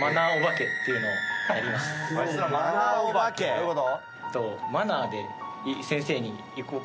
どういうこと？